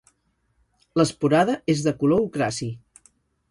L'esporada és de color ocraci.